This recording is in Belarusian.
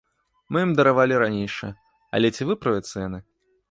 Мы ім даравалі ранейшае, але ці выправяцца яны?